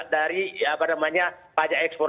dari pajak ekspor